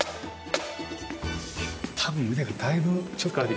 たぶん腕がだいぶ、ちょっと。